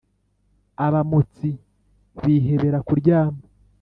abamotsi bihebera kuryama